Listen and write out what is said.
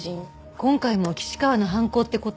今回も岸川の犯行って事？